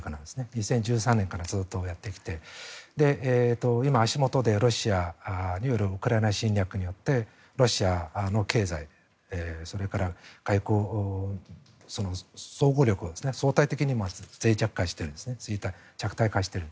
２０１３年からずっとやってきて今、足元で、ロシアによるウクライナ侵略によってロシアの経済それから外交、総合力が相対的に弱体化している。